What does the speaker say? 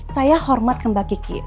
saya hormat kembak kiki